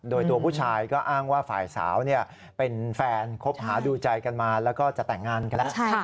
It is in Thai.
โดยตัวผู้ชายก็อ้างว่าฝ่ายสาวเป็นแฟนคบหาดูใจกันมาแล้วก็จะแต่งงานกันแล้ว